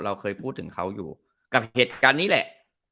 เราเคยพูดถึงเขาอยู่กับเหตุการณ์นี้แหละ